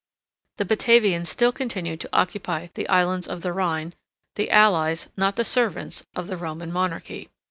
The Batavians still continued to occupy the islands of the Rhine, 76 the allies, not the servants, of the Roman monarchy.